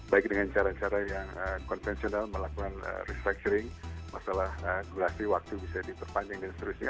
baik dengan cara cara yang konvensional melakukan restructuring masalah durasi waktu bisa diperpanjang dan seterusnya